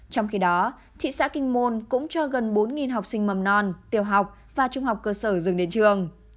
trong khi đó thị xã kinh môn cũng cho gần bốn học sinh mầm non tiểu học và trung học cơ sở dừng đến trường